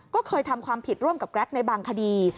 ก็เคยทำความผิดร่วมกับแกรกในบางคดี